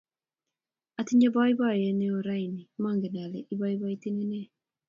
Atinye poipoiyet neo raini, mangen ale ipoipoiton ne